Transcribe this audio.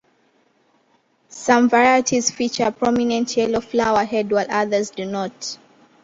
Some varieties feature a prominent yellow flower head while others do not.